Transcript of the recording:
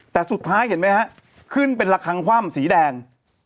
แต่สุดท้ายเห็นไหมฮะขึ้นเป็นระคังคว่ำสีแดง